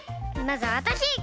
まずわたし！